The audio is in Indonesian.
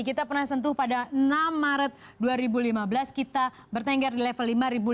kita pernah sentuh pada enam maret dua ribu lima belas kita bertengger di level lima lima ratus